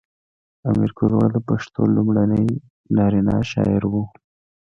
امیر کروړ د پښتو لومړی نرینه شاعر و .